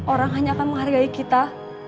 orang hanya akan menghargai kita